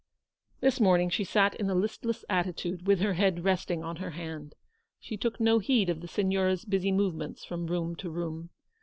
This morning she sat in a listless attitude, with her head resting on her hand. She took no heed of the Signora's busy movements from room to room.